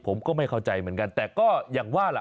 ผมก็ไม่เข้าใจเหมือนกันแต่ก็อย่างว่าล่ะ